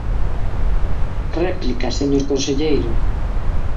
Réplica, señor conselleiro.